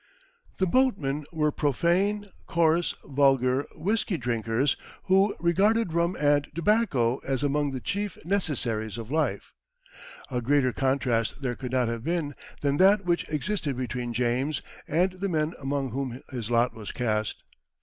The boatmen were profane, coarse, vulgar whisky drinkers, "who regarded rum and tobacco as among the chief necessaries of life." A greater contrast there could not have been than that which existed between James and the men among whom his lot was cast.